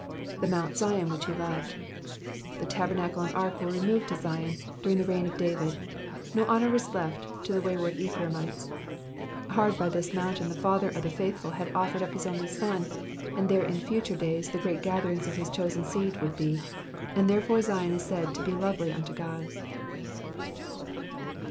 ^^'The Moxint Zion which he loved.' The tabernacle and ark were removed to Zion during the reign of David ; no honour was left to the wayward Ephraimites. Hard by this mountain the Father of the Faithful had offered up his only son, and there in future days the great gatherings of his chosen seed would be, and therefore Zion is said to be lovely unto God.